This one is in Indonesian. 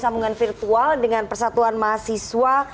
sambungan virtual dengan persatuan mahasiswa